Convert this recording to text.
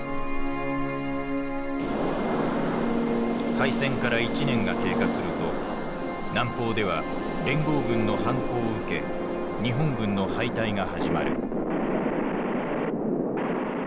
開戦から１年が経過すると南方では連合軍の反攻を受け日本軍の敗退が始まる。